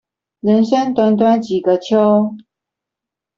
人生短短幾個秋